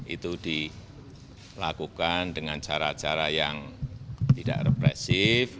itu dilakukan dengan cara cara yang tidak represif